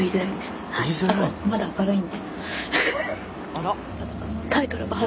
あら？